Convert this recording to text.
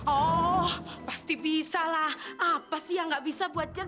oh pasti bisa lah apa sih yang gak bisa buat jalan